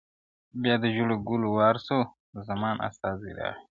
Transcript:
بیا د ژړو ګلو وار سو د زمان استازی راغی٫